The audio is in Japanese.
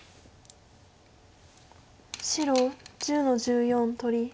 白１０の十四取り。